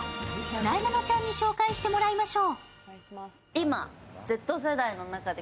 なえなのちゃんに紹介してもらいましょう。